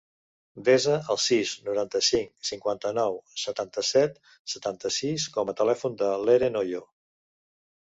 Desa el sis, noranta-cinc, cinquanta-nou, setanta-set, setanta-sis com a telèfon de l'Eren Hoyo.